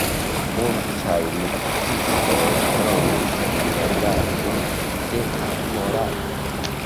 Multaj militistoj dronis en lago de Morato.